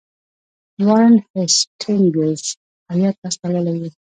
وارن هیسټینګز هیات استولی وو.